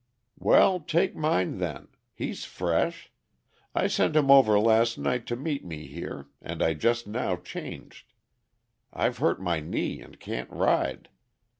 "Well, take mine then. He's fresh. I sent him over last night to meet me here, and I just now changed. I've hurt my knee and can't ride.